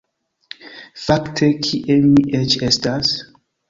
Fakte, kie mi eĉ estas?